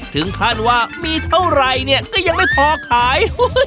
ถึงขั้นว่ามีเท่าไหร่เนี่ยก็ยังไม่พอขาย